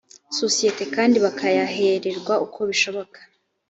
sosiyete kandi bakayahererwa uko bishoboka